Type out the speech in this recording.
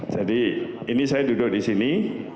jadi ini saya duduk di sini